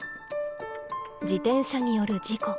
自転車による事故。